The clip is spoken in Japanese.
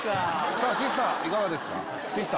さぁシスターいかがですか？